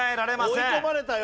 追い込まれたよ。